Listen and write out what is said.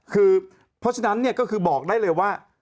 เพราะฉะนั้นก็คือบอกได้เลยว่า